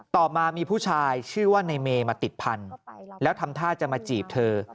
ต่อมามีผู้ชายชื่อว่าในเมมาติดพันธุ์แล้วทำท่าจะมาจีบเธอ